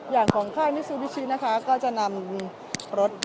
อย่างของค่ายมิซูบิชินะคะก็จะนำรถที่มาจำหน่าย